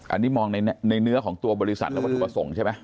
อันนี้มองในเนื้อของตัวบริษัทและวัตถุประสงค์ใช่ไหม